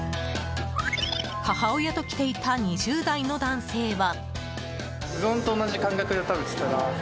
母親と来ていた２０代の男性は。